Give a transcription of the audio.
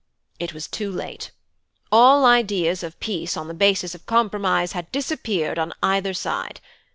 "It was too late. All ideas of peace on a basis of compromise had disappeared on either side.